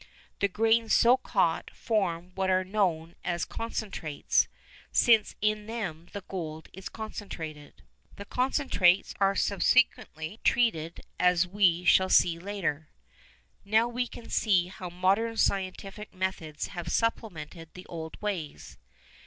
The grains so caught form what are known as "concentrates," since in them the gold is concentrated. The concentrates are subsequently treated as we shall see later. Now we can see how modern scientific methods have supplemented the old ways.